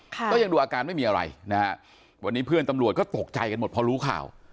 ก็ยังดูอาการไม่มีอะไรนะฮะวันนี้เพื่อนตำรวจก็ตกใจกันหมดพอรู้ข่าว